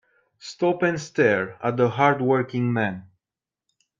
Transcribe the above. Stop and stare at the hard working man.